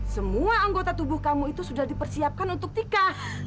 semua anggota tubuh kamu itu sudah dipersiapkan untuk tika